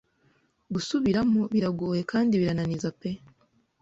gusubiramo, biragoye kandi birananiza pe